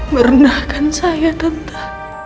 mernahkan saya tante